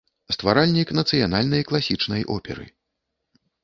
Стваральнік нацыянальнай класічнай оперы.